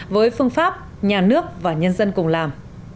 với phương pháp nhà nước và nhân dân cùng làm